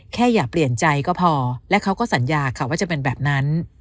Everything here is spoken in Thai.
แค่อย่าเปลี่ยนใจก็พอและเขาก็สัญญาค่ะว่าจะเป็นแบบนั้น